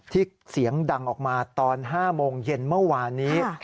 เสียงดังออกมาตอน๕โมงเย็นเมื่อวานนี้